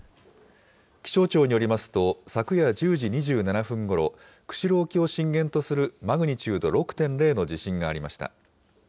気象庁によりますと、昨夜１０時２７分ごろ、釧路沖を震源とするマグニチュード６．０の地震がありました。